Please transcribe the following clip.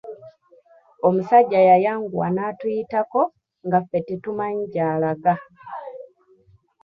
Omusajja yayanguwa n'atuyitako nga ffe tetumanyi gy'alaga.